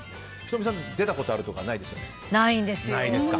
仁美さん、出たことがあるとかはないんですか？